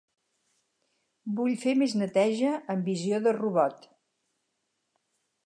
Vull fer més neteja amb visió de robot.